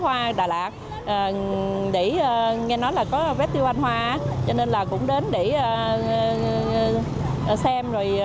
hoa đà lạt nghe nói là có festival hoa cho nên là cũng đến để xem